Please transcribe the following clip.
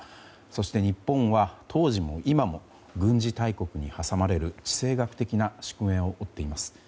そして日本は当時も今も軍事大国に挟まれる地政学的な宿命を送っています。